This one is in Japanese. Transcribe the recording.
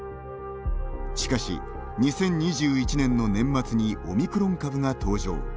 しかし、２０２１年の年末にオミクロン株が登場。